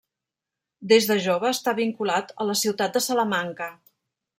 Des de jove està vinculat a la ciutat de Salamanca.